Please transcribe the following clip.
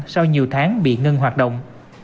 sau nhiều tháng bị ngưng hoạt động